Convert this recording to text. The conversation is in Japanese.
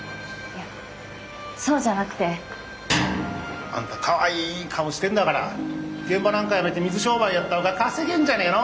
いやそうじゃなくて。あんたかわいい顔してんだから現場なんかやめて水商売やった方が稼げんじゃねえの？